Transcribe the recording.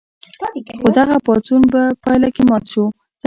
خو دغه پاڅون په پایله کې مات شو.